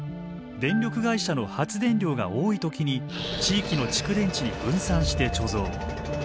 電力会社の発電量が多い時に地域の蓄電池に分散して貯蔵。